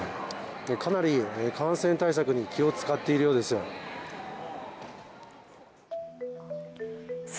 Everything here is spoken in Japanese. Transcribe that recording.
かなり感染対策に気を遣っているようです。